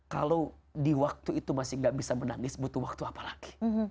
kalau di waktu itu masih gak bisa menangis butuh waktu apa lagi